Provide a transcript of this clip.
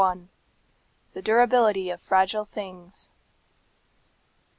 THE DURABILITY OF FRAGILE THINGS.